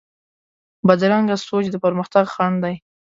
بدرنګه سوچ د پرمختګ خنډ دی